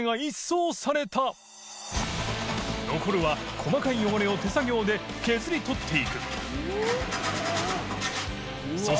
細かい汚れを手作業で削りとっていく磴修